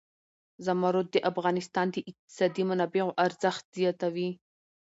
زمرد د افغانستان د اقتصادي منابعو ارزښت زیاتوي.